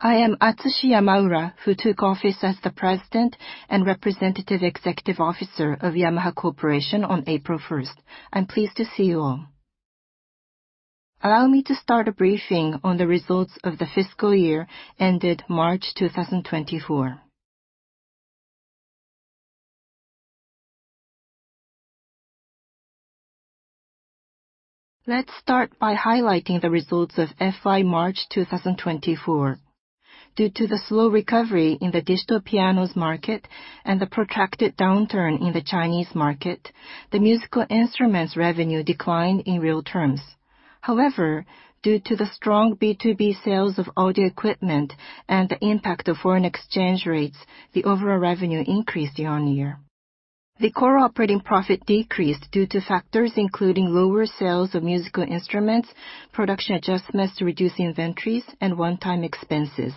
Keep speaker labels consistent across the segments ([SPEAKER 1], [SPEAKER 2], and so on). [SPEAKER 1] I am Atsushi Yamaura, who took office as the President and Representative Executive Officer of Yamaha Corporation on April 1. I'm pleased to see you all. Allow me to start a briefing on the results of the fiscal year ended March 2024. Let's start by highlighting the results of FY March 2024. Due to the slow recovery in the digital pianos market and the protracted downturn in the Chinese market, the musical instruments revenue declined in real terms. However, due to the strong B2B sales of audio equipment and the impact of foreign exchange rates, the overall revenue increased year on year. The core operating profit decreased due to factors including lower sales of musical instruments, production adjustments to reduce inventories, and one-time expenses.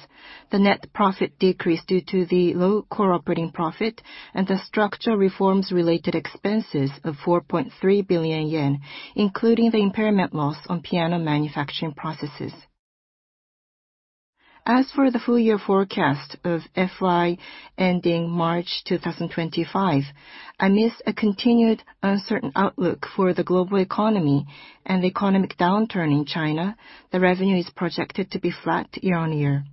[SPEAKER 1] The net profit decreased due to the low core operating profit and the structural reforms-related expenses of 4.3 billion yen, including the impairment loss on piano manufacturing processes. As for the full-year forecast of FY ending March 2025, amidst a continued uncertain outlook for the global economy and the economic downturn in China, the revenue is projected to be flat year-on-year.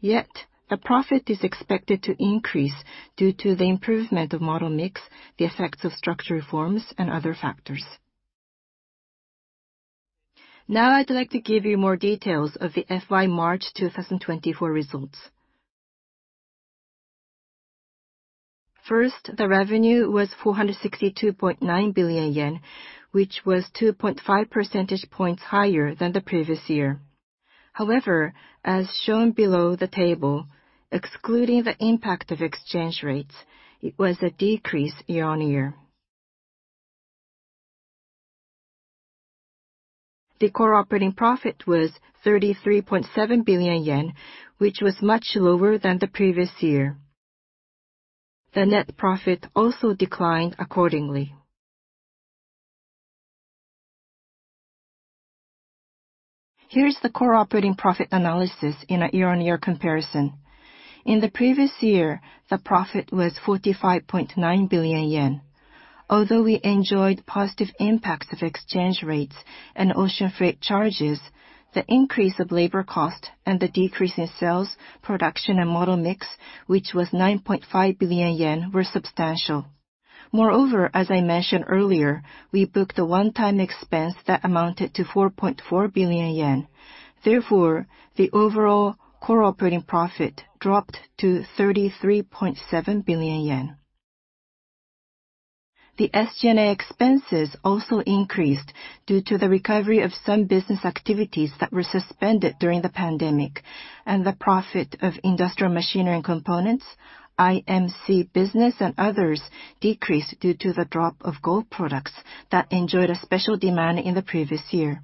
[SPEAKER 1] Yet the profit is expected to increase due to the improvement of model mix, the effects of structural reforms, and other factors. Now I'd like to give you more details of the FY March 2024 results. First, the revenue was 462.9 billion yen, which was 2.5 percentage points higher than the previous year. However, as shown below the table, excluding the impact of exchange rates, it was a decrease year-on-year. The core operating profit was 33.7 billion yen, which was much lower than the previous year. The net profit also declined accordingly. Here's the core operating profit analysis in a year-on-year comparison. In the previous year, the profit was 45.9 billion yen. Although we enjoyed positive impacts of exchange rates and ocean freight charges, the increase of labor cost and the decrease in sales, production, and model mix, which was 9.5 billion yen, were substantial. Moreover, as I mentioned earlier, we booked a one-time expense that amounted to 4.4 billion yen. Therefore, the overall core operating profit dropped to 33.7 billion yen. The SG&A expenses also increased due to the recovery of some business activities that were suspended during the pandemic, and the profit of industrial machinery and components, IMC Business, and others decreased due to the drop of golf products that enjoyed a special demand in the previous year.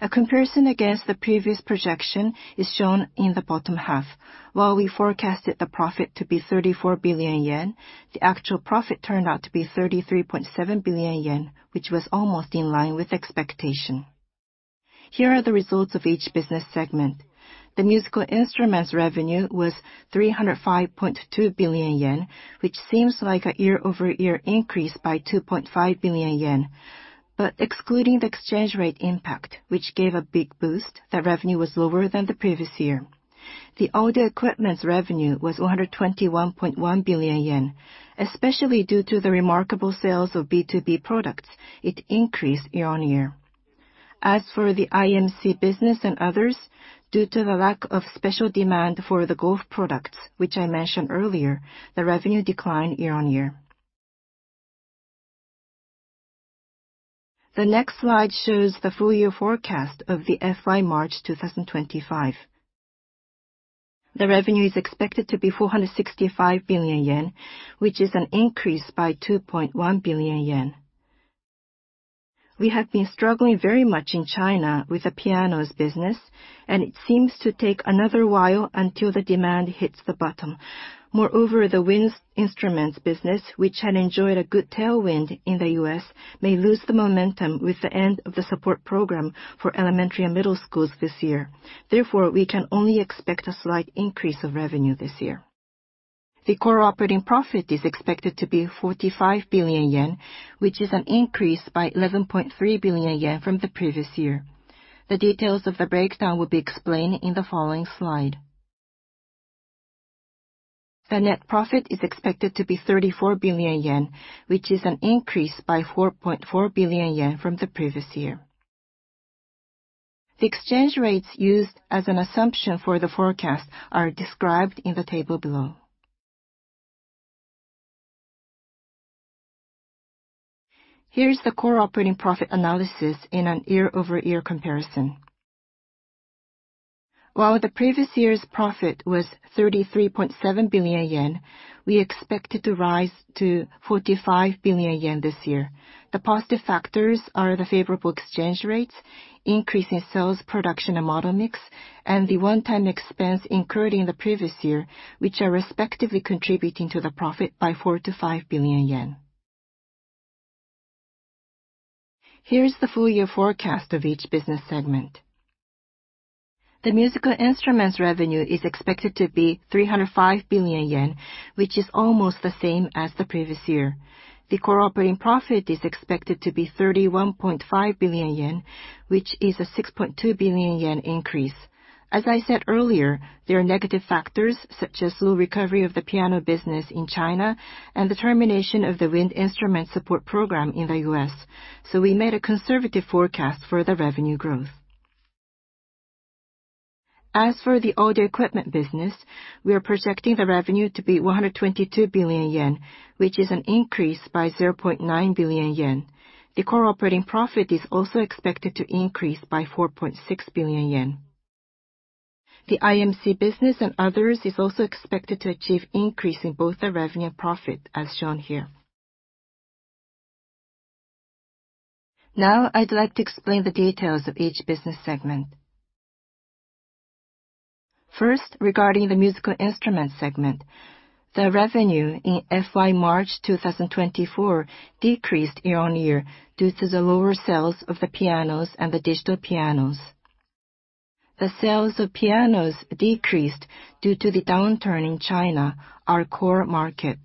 [SPEAKER 1] A comparison against the previous projection is shown in the bottom half. While we forecasted the profit to be 34 billion yen, the actual profit turned out to be 33.7 billion yen, which was almost in line with expectation. Here are the results of each business segment. The musical instruments revenue was 305.2 billion yen, which seems like a year-over-year increase by 2.5 billion yen, but excluding the exchange rate impact, which gave a big boost, that revenue was lower than the previous year. The audio equipment's revenue was 121.1 billion yen. Especially due to the remarkable sales of B2B products, it increased year on year. As for the IMC Business and others, due to the lack of special demand for the golf products, which I mentioned earlier, the revenue declined year on year. The next slide shows the full-year forecast of the FY March 2025. The revenue is expected to be 465 billion yen, which is an increase by 2.1 billion yen. We have been struggling very much in China with the pianos business, and it seems to take another while until the demand hits the bottom. Moreover, the wind instruments business, which had enjoyed a good tailwind in the U.S., may lose the momentum with the end of the support program for elementary and middle schools this year. Therefore, we can only expect a slight increase of revenue this year. The core operating profit is expected to be 45 billion yen, which is an increase by 11.3 billion yen from the previous year. The details of the breakdown will be explained in the following slide. The net profit is expected to be 34 billion yen, which is an increase by 4.4 billion yen from the previous year. The exchange rates used as an assumption for the forecast are described in the table below. Here's the core operating profit analysis in a year-over-year comparison. While the previous year's profit was 33.7 billion yen, we expect it to rise to 45 billion yen this year. The positive factors are the favorable exchange rates, increase in sales, production, and model mix, and the one-time expense incurred in the previous year, which are respectively contributing to the profit by 4 billion-5 billion yen. Here's the full-year forecast of each business segment. The musical instruments revenue is expected to be 305 billion yen, which is almost the same as the previous year. The core operating profit is expected to be 31.5 billion yen, which is a 6.2 billion yen increase. As I said earlier, there are negative factors such as low recovery of the piano business in China and the termination of the wind instrument support program in the U.S., so we made a conservative forecast for the revenue growth. As for the audio equipment business, we are projecting the revenue to be 122 billion yen, which is an increase by 0.9 billion yen. The core operating profit is also expected to increase by 4.6 billion yen. The IMC Business and others is also expected to achieve an increase in both the revenue and profit, as shown here. Now I'd like to explain the details of each business segment. First, regarding the musical instruments segment, the revenue in FY March 2024 decreased year-on-year due to the lower sales of the pianos and the digital pianos. The sales of pianos decreased due to the downturn in China, our core market.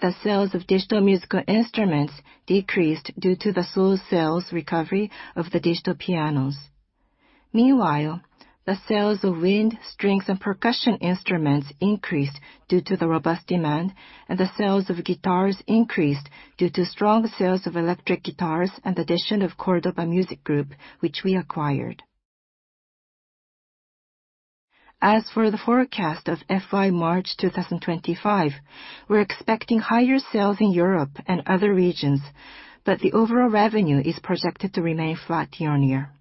[SPEAKER 1] The sales of digital musical instruments decreased due to the slow sales recovery of the digital pianos. Meanwhile, the sales of wind, strings, and percussion instruments increased due to the robust demand, and the sales of guitars increased due to strong sales of electric guitars and the addition of Córdoba Music Group, which we acquired. As for the forecast of FY March 2025, we're expecting higher sales in Europe and other regions, but the overall revenue is projected to remain flat year-on-year.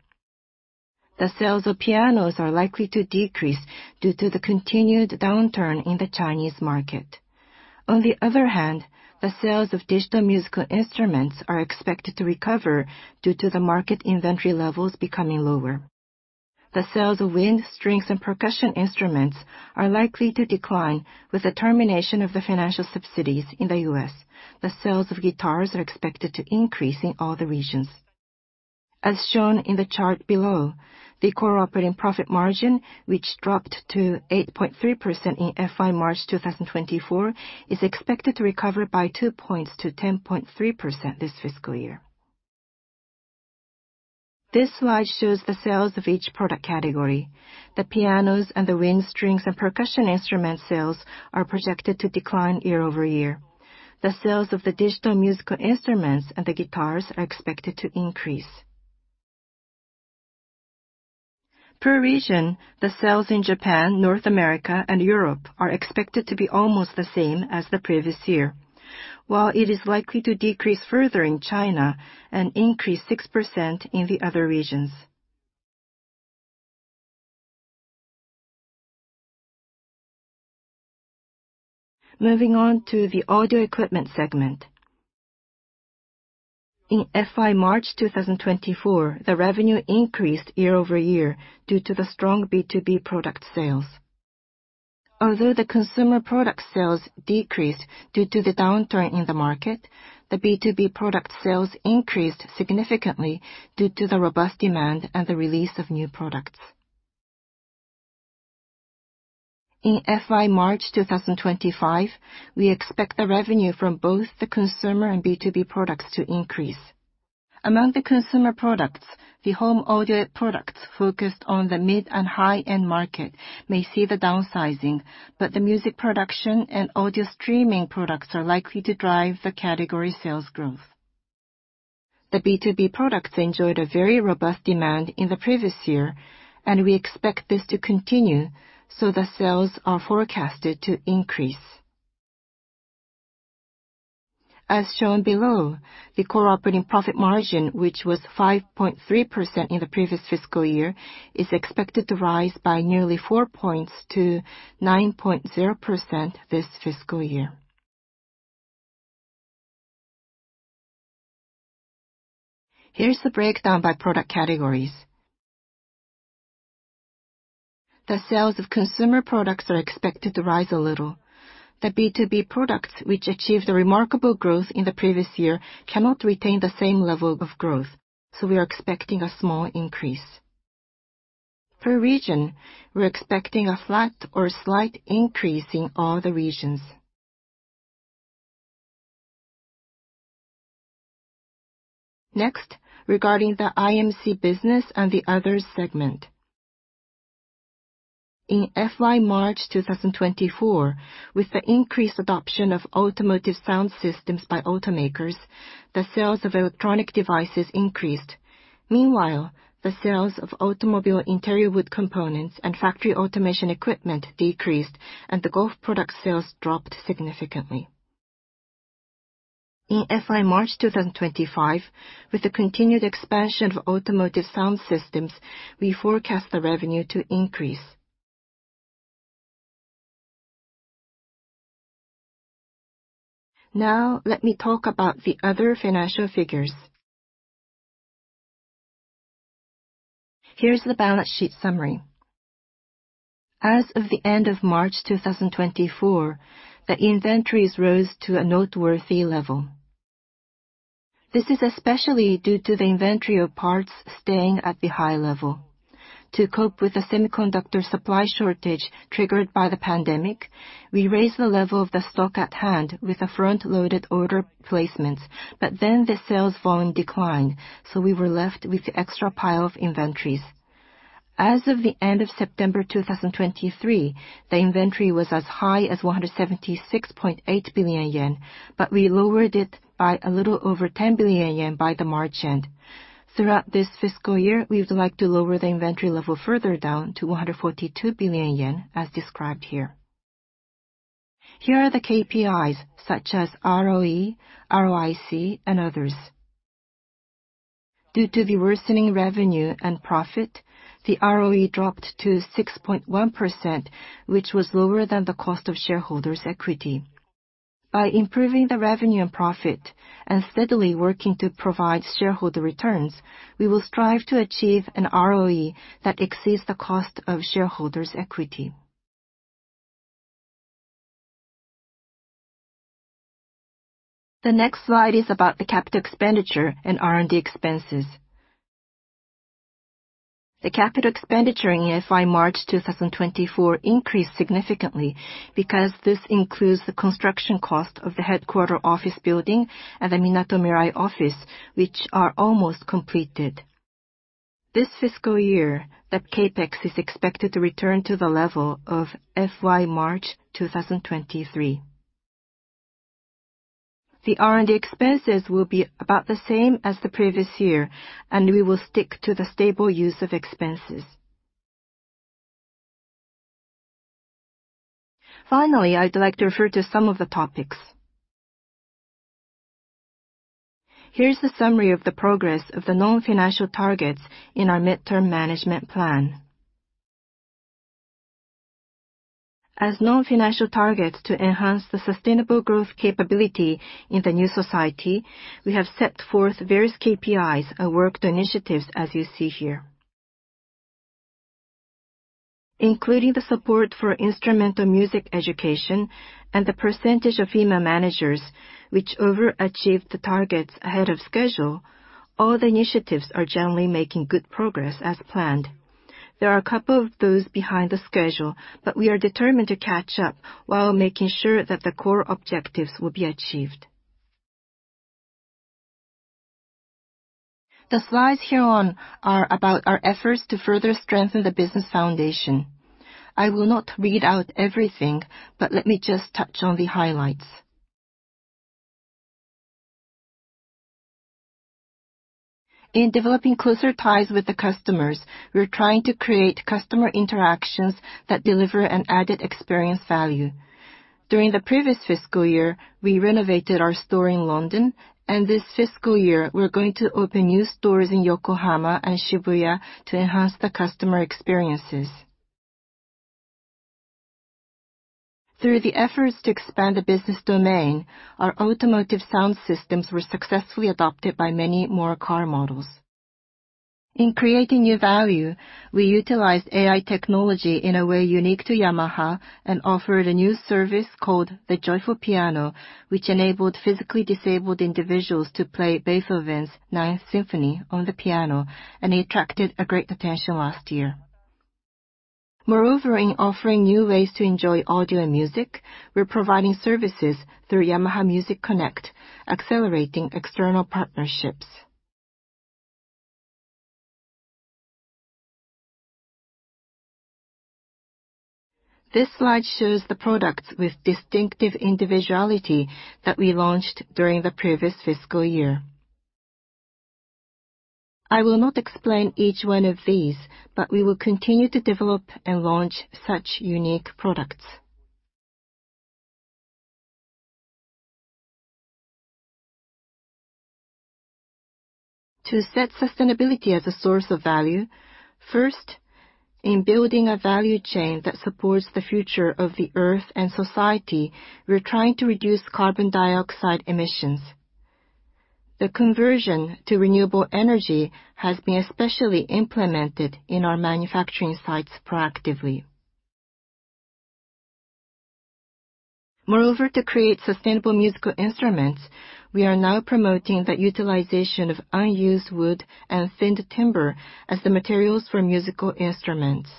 [SPEAKER 1] The sales of pianos are likely to decrease due to the continued downturn in the Chinese market. On the other hand, the sales of digital musical instruments are expected to recover due to the market inventory levels becoming lower. The sales of wind, strings, and percussion instruments are likely to decline with the termination of the financial subsidies in the U.S. The sales of guitars are expected to increase in all the regions. As shown in the chart below, the Core Operating Profit margin, which dropped to 8.3% in FY March 2024, is expected to recover by 2 points to 10.3% this fiscal year. This slide shows the sales of each product category. The pianos and the wind, strings, and percussion instrument sales are projected to decline year-over-year. The sales of the digital musical instruments and the guitars are expected to increase. Per region, the sales in Japan, North America, and Europe are expected to be almost the same as the previous year, while it is likely to decrease further in China and increase 6% in the other regions. Moving on to the audio equipment segment. In FY March 2024, the revenue increased year-over-year due to the strong B2B product sales. Although the consumer product sales decreased due to the downturn in the market, the B2B product sales increased significantly due to the robust demand and the release of new products. In FY March 2025, we expect the revenue from both the consumer and B2B products to increase. Among the consumer products, the home audio products focused on the mid and high-end market may see the downsizing, but the music production and audio streaming products are likely to drive the category sales growth. The B2B products enjoyed a very robust demand in the previous year, and we expect this to continue, so the sales are forecasted to increase. As shown below, the Core Operating Profit margin, which was 5.3% in the previous fiscal year, is expected to rise by nearly 4 points to 9.0% this fiscal year. Here's the breakdown by product categories. The sales of consumer products are expected to rise a little. The B2B products, which achieved a remarkable growth in the previous year, cannot retain the same level of growth, so we are expecting a small increase. Per region, we're expecting a flat or slight increase in all the regions. Next, regarding the IMC Business and the others segment. In FY March 2024, with the increased adoption of automotive sound systems by automakers, the sales of electronic devices increased. Meanwhile, the sales of automobile interior wood components and Factory Automation equipment decreased, and the golf product sales dropped significantly. In FY March 2025, with the continued expansion of automotive sound systems, we forecast the revenue to increase. Now let me talk about the other financial figures. Here's the balance sheet summary. As of the end of March 2024, the inventories rose to a noteworthy level. This is especially due to the inventory of parts staying at the high level. To cope with the semiconductor supply shortage triggered by the pandemic, we raised the level of the stock at hand with the front-loaded order placements, but then the sales volume declined, so we were left with the extra pile of inventories. As of the end of September 2023, the inventory was as high as 176.8 billion yen, but we lowered it by a little over 10 billion yen by the March end. Throughout this fiscal year, we would like to lower the inventory level further down to 142 billion yen, as described here. Here are the KPIs such as ROE, ROIC, and others. Due to the worsening revenue and profit, the ROE dropped to 6.1%, which was lower than the cost of shareholders' equity. By improving the revenue and profit and steadily working to provide shareholder returns, we will strive to achieve an ROE that exceeds the cost of shareholders' equity. The next slide is about the capital expenditure and R&D expenses. The capital expenditure in FY March 2024 increased significantly because this includes the construction cost of the headquarters office building and the Minato Mirai office, which are almost completed. This fiscal year, the CapEx is expected to return to the level of FY March 2023. The R&D expenses will be about the same as the previous year, and we will stick to the stable use of expenses. Finally, I'd like to refer to some of the topics. Here's the summary of the progress of the non-financial targets in our midterm management plan. As non-financial targets to enhance the sustainable growth capability in the new society, we have set forth various KPIs and worked on initiatives, as you see here. Including the support for instrumental music education and the percentage of female managers which overachieved the targets ahead of schedule, all the initiatives are generally making good progress as planned. There are a couple of those behind the schedule, but we are determined to catch up while making sure that the core objectives will be achieved. The slides here on are about our efforts to further strengthen the business foundation. I will not read out everything, but let me just touch on the highlights. In developing closer ties with the customers, we're trying to create customer interactions that deliver an added experience value. During the previous fiscal year, we renovated our store in London, and this fiscal year, we're going to open new stores in Yokohama and Shibuya to enhance the customer experiences. Through the efforts to expand the business domain, our automotive sound systems were successfully adopted by many more car models. In creating new value, we utilized AI technology in a way unique to Yamaha and offered a new service called the Joyful Piano, which enabled physically disabled individuals to play Beethoven's Ninth Symphony on the piano, and it attracted a great attention last year. Moreover, in offering new ways to enjoy audio and music, we're providing services through Yamaha Music Connect, accelerating external partnerships. This slide shows the products with distinctive individuality that we launched during the previous fiscal year. I will not explain each one of these, but we will continue to develop and launch such unique products. To set sustainability as a source of value, first, in building a value chain that supports the future of the Earth and society, we're trying to reduce carbon dioxide emissions. The conversion to renewable energy has been especially implemented in our manufacturing sites proactively. Moreover, to create sustainable musical instruments, we are now promoting the utilization of unused wood and thinned timber as the materials for musical instruments.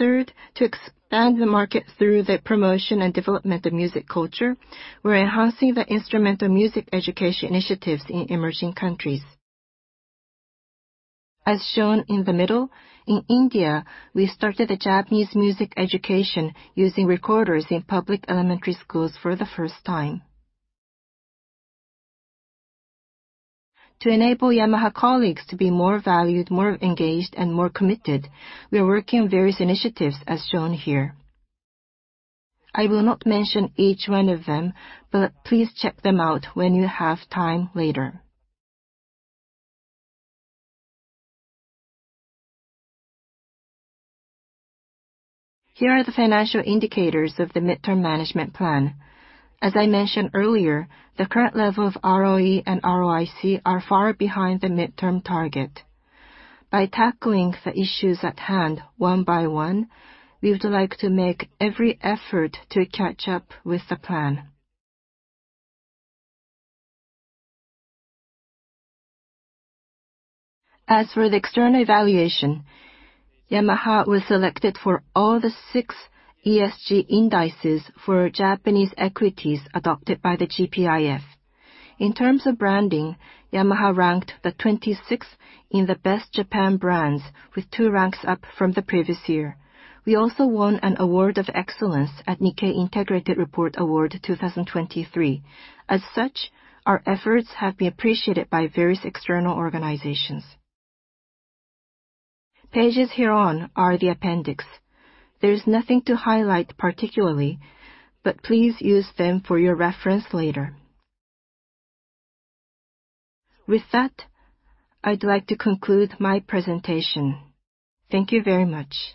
[SPEAKER 1] Third, to expand the market through the promotion and development of music culture, we're enhancing the instrumental music education initiatives in emerging countries. As shown in the middle, in India, we started the Japanese music education using recorders in public elementary schools for the first time. To enable Yamaha colleagues to be more valued, more engaged, and more committed, we are working on various initiatives, as shown here. I will not mention each one of them, but please check them out when you have time later. Here are the financial indicators of the midterm management plan. As I mentioned earlier, the current level of ROE and ROIC are far behind the midterm target. By tackling the issues at hand one by one, we would like to make every effort to catch up with the plan. As for the external evaluation, Yamaha was selected for all the six ESG indices for Japanese equities adopted by the GPIF. In terms of branding, Yamaha ranked the 26th in the best Japan brands, with two ranks up from the previous year. We also won an Award of Excellence at Nikkei Integrated Report Award 2023. As such, our efforts have been appreciated by various external organizations. Pages hereon are the appendix. There is nothing to highlight particularly, but please use them for your reference later. With that, I'd like to conclude my presentation. Thank you very much.